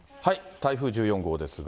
台風１４号ですが。